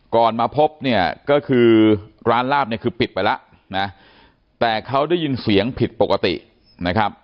มาพบเนี่ยก็คือร้านลาบเนี่ยคือปิดไปแล้วนะแต่เขาได้ยินเสียงผิดปกตินะครับ